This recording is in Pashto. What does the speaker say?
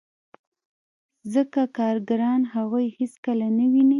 ځکه کارګران هغوی هېڅکله نه ویني